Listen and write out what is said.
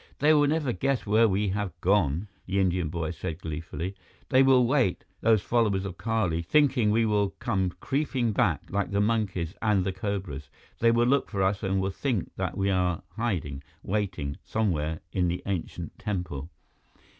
"They will never guess where we have gone," the Indian boy said gleefully. "They will wait, those followers of Kali, thinking that we will come creeping back like the monkeys and the cobras. They will look for us and will think that we are hiding, waiting, somewhere in the ancient temple."